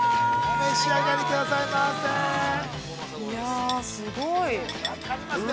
◆お召し上がりくださいませ。